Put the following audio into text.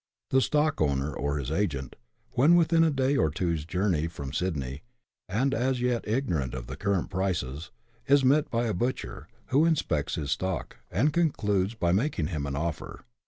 The stock owner or his agent, when within a day or two's journey from Sydney, and as yet ignorant of the current prices, is met by a butcher, who inspects his stock, and concludes by making him an offer.